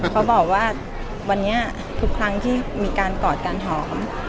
เขาบอกว่าวันนี้ทุกครั้งที่มีการกอดการหอม